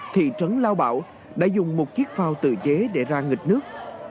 thị trấn lao bảo đã dùng một chiếc phao tự chế để ra nghịch nước